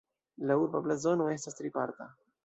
La urba blazono estas triparta.